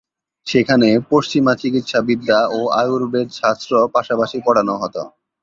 সেখানে পশ্চিমা চিকিৎসাবিদ্যা ও আয়ুর্বেদশাস্ত্র পাশাপাশি পড়ানো হতো।